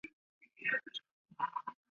陶望龄为南京礼部尚书陶承学之子。